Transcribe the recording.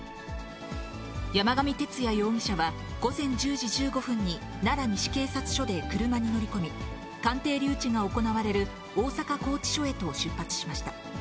山上徹也容疑者は午前１０時１５分に、奈良西警察署で車に乗り込み、鑑定留置が行われる大阪拘置所へと出発しました。